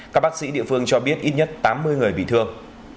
các bác sĩ địa phương cho biết ít nhất tám mươi người bị thương